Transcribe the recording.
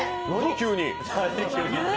急に。